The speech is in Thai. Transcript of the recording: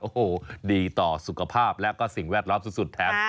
โอ้โหดีต่อสุขภาพและก็สิ่งแวดล้อมสุดแถม